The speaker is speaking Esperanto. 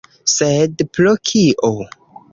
Sed pro kio?